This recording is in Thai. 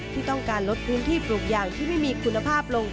ที่ต้องการลดพื้นที่ปลูกยางที่ไม่มีคุณภาพลง